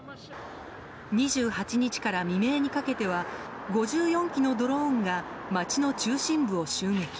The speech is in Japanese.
２８日から未明にかけては５４機のドローンが街の中心部を襲撃。